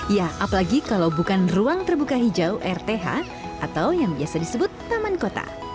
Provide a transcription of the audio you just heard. ya apalagi kalau bukan ruang terbuka hijau rth atau yang biasa disebut taman kota